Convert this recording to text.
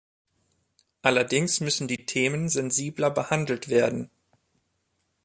Allerdings müssen die Themen sensibler behandelt werden.